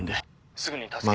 すぐに助けに。